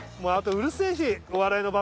うるせえ。